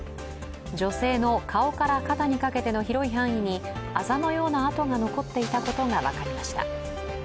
女性の顔から肩にかけての広い範囲にあざのような痕が残っていたことが分かりました。